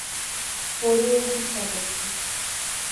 Porê wê dîsa derket